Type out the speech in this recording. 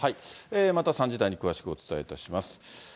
また３時台に詳しくお伝えいたします。